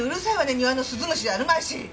庭の鈴虫じゃあるまいし。